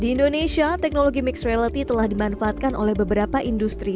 di indonesia teknologi mixed reality telah dimanfaatkan oleh beberapa industri